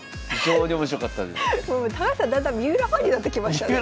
だんだん三浦ファンになってきましたね。